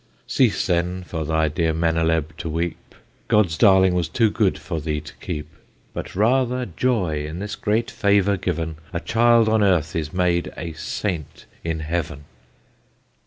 Cease, then, for thy dear Meneleb to weep, God's darling was too good for thee to keep: But rather joy in this great favour given, A child on earth is made a saint in heaven.